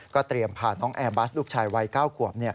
เตรียมพาน้องแอร์บัสลูกชายวัย๙ขวบ